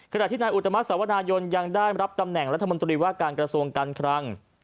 ขณะที่นายอุตมัติสวนายนยังได้รับตำแหน่งรัฐมนตรีว่าการกระทรวงการคลัง